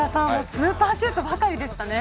スーパーシュートばかりでしたね。